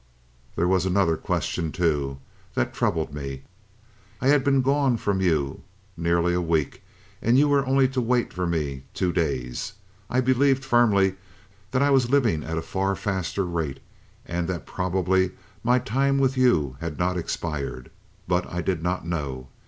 "There was another question, too, that troubled me. I had been gone from you nearly a week, and you were only to wait for me two days. I believed firmly that I was living at a faster rate, and that probably my time with you had not expired. But I did not know.